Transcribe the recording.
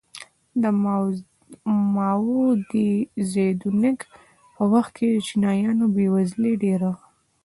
د ماوو زیدونګ په وخت کې د چینایانو بېوزلي ډېره وه.